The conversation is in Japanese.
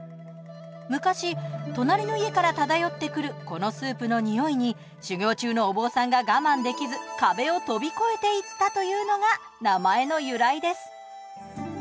昔隣の家から漂ってくるこのスープの匂いに修行中のお坊さんが我慢できず壁を飛び越えていったというのが名前の由来です。